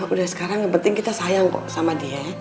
udah sekarang yang penting kita sayang kok sama dia